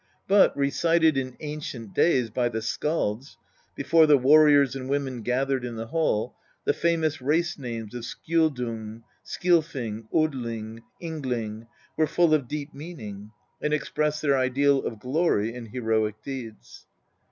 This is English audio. But recited in ancient days by the skalds, before the warriors and women gathered in the hall, the famous race names of Skjoldung, Skilfing, Odling, Yngling were full of deep meaning, and expressed their ideal of glory in heroic deeds.